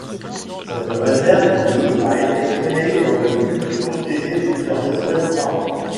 Cette réserve de a été créée dans le but de protéger plusieurs espèces rares.